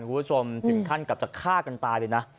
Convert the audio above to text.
คุณผู้ชมทิมขั้นกับจะฆ่ากันตายดีนะ